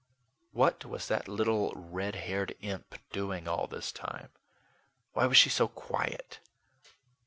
What was that little red haired imp doing all this time? Why was she so quiet?